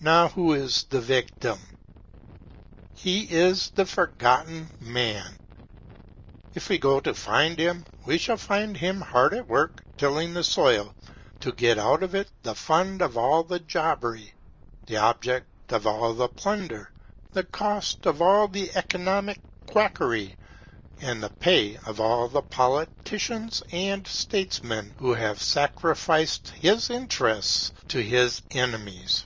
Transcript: Now, who is the victim? He is the Forgotten Man. If we go to find him, we shall find him hard at work tilling the soil to get out of it the fund for all the jobbery, the object of all the plunder, the cost of all the economic quackery, and the pay of all the politicians and statesmen who have sacrificed his interests to his enemies.